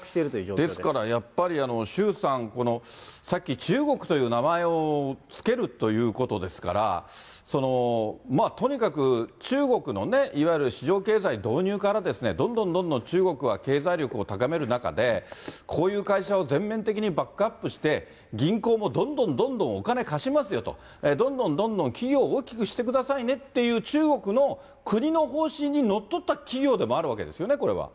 ですから、やっぱり周さん、このさっき中国という名前を付けるということですから、とにかく中国のね、いわゆる市場経済導入から、どんどんどんどん中国は経済力を高める中で、こういう会社を全面的にバックアップして、銀行もどんどんどんどんお金貸しますよと、どんどんどんどん企業を大きくしてくださいねっていう、中国の国の方針にのっとった企業でもあるわけですよね、これは。